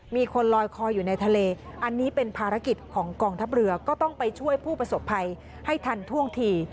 มีคนลอยคออยู่ในทะเลอันนี้เป็นภารกิจของกองทัพเรือก็ต้องไปช่วยผู้ประสบภัยให้ทันท่วงที